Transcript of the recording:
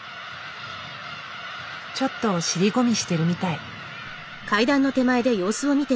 ちょっと尻込みしてるみたい。